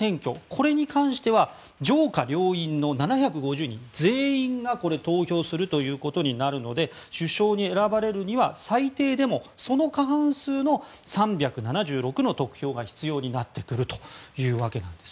これに関しては上下両院の７５０人全員が投票するということになるので首相に選ばれるには最低でもその過半数の３７６の得票が必要になってくるというわけです。